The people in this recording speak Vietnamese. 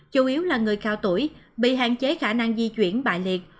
chủ yếu là người cao tuổi bị hạn chế khả năng di chuyển bại liệt